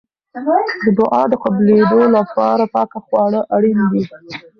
د دعا د قبلېدو لپاره پاکه خواړه اړین دي.